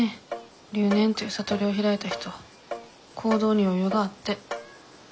留年という悟りを開いた人は行動に余裕があって。